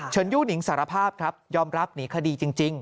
ยู่นิงสารภาพครับยอมรับหนีคดีจริง